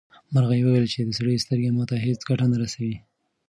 مرغۍ وویل چې د سړي سترګه ماته هیڅ ګټه نه رسوي.